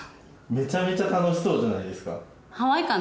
めちゃめちゃ楽しそうじゃないですか。